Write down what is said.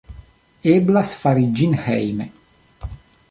Eblas fari ĝin hejme.